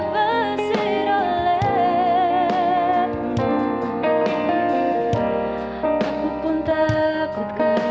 terima kasih banyak ibu